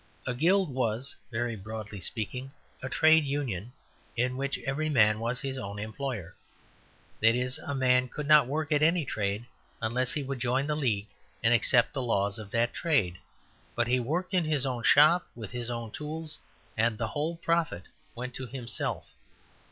A Guild was, very broadly speaking, a Trade Union in which every man was his own employer. That is, a man could not work at any trade unless he would join the league and accept the laws of that trade; but he worked in his own shop with his own tools, and the whole profit went to himself.